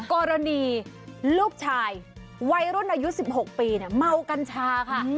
กรณีลูกชายวัยรุ่นอายุ๑๖ปีเมากัญชาค่ะ